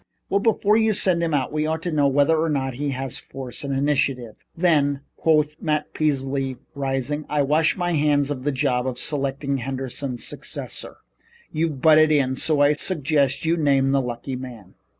"Well, before we send him out we ought to know whether or no he has force and initiative." "Then," quoth Matt Peasley, rising, "I wash my hands of the job of selecting Henderson's successor. You've butted in, so I suggest you name the lucky man."